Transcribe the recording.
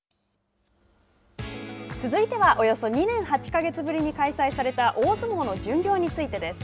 続いては、およそ２年８か月ぶりに開催された大相撲の巡業についてです。